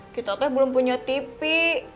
kita teh belum punya tv